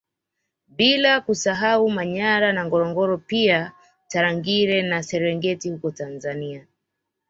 Bila kusahau Manyara na Ngorongoro pia Tarangire na Serengeti huko Tanzania